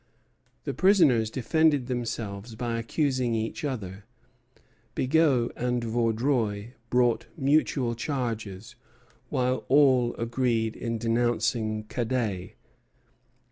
The prisoners defended themselves by accusing each other. Bigot and Vaudreuil brought mutual charges, while all agreed in denouncing Cadet.